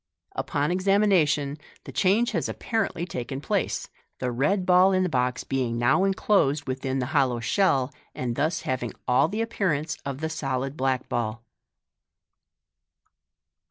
Upon examination, the change has apparently taken place, the red ball in the box being now enclosed within the hollow shell, and thus having all the appearance of the solid black, ball.